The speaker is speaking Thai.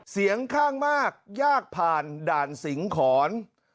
เสียงข้างมากยากผ่านด่านสิงหอน